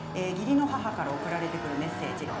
義理の母から送られてくるメッセージ。